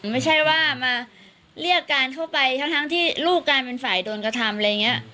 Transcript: ไม่ใช่ว่ามาเรียกการเข้าไปทั้งที่ลูกการเป็นฝ่ายโดนกระทำอะไรอย่างนี้